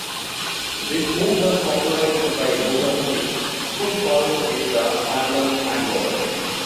This move was popularized by Booker T, who called it the "Harlem Hangover".